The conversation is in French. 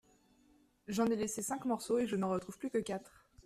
J’en ai laissé cinq morceaux et je n’en retrouve plus que quatre !…